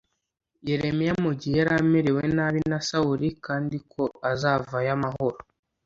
Yeremiya mu gihe yari amerewe nabi na sawuli kandi ko azavayo amahoro